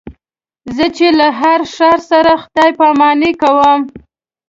زه چې له هر ښار سره خدای پاماني کوم.